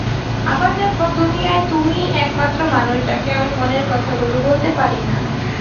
আবার দেখো, দুনিয়ায় তুমিই একমাত্র মানুষ যাকে আমি মনের কথাগুলো বলতে পারিনা।